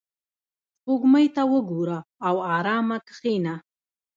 • سپوږمۍ ته وګوره او آرامه کښېنه.